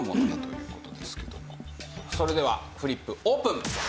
それではフリップオープン。